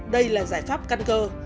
đây là giải pháp căn cơ